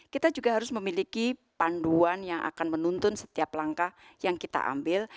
kita juga harus memiliki panduan yang akan menuntun setiap langkah yang kita ambil